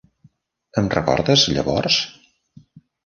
Em recordes, llavors?